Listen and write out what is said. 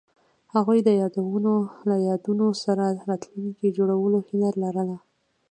هغوی د یادونه له یادونو سره راتلونکی جوړولو هیله لرله.